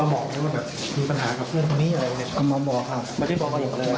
ว่าก่อนที่จะเกิดเรื่องเหตุการณ์ลูกชายได้มามาปรึกษาล่ะบอกหา